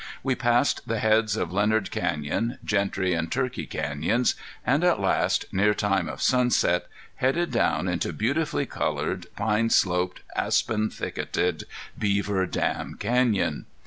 We passed the heads of Leonard Canyon, Gentry, and Turkey Canyons, and at last, near time of sunset, headed down into beautifully colored, pine sloped, aspen thicketed Beaver Dam Canyon.